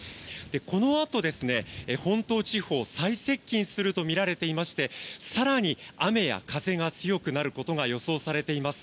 このあと本島地方最接近するとみられていまして更に雨や風が強くなることが予想されています。